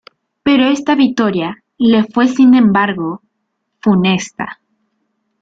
Pero esta victoria le fue sin embargo funesta.